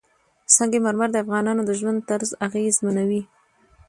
سنگ مرمر د افغانانو د ژوند طرز اغېزمنوي.